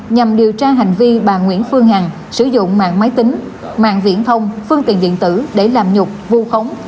nhằm điều tra hành vi bà nguyễn phương hằng sử dụng mạng máy tính mạng viễn thông phương tiện điện tử để làm nhục vu khống